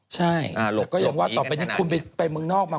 ใช่ก็อย่างว่าต่อไปนี้คุณไปเมืองนอกมา